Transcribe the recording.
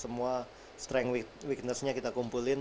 semua strength weaknessnya kita kumpulin